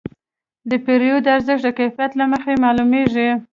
د پیرود ارزښت د کیفیت له مخې معلومېږي.